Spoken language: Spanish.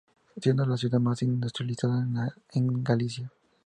Siendo la ciudad más industrializada de Galicia.